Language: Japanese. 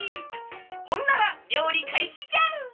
ほんならりょうりかいしじゃ！